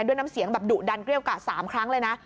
ด้วยน้ำเสียงดุดันเกรียวกะสามครั้งเลยนะ